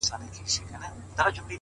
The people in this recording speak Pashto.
مثبت انسان د ستونزو ترمنځ فرصت مومي،